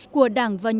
của đảng và nhà nước